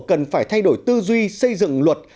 cần phải thay đổi tư duy xây dựng luật